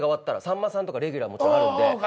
さんまさんとかレギュラーもちろんあるんで。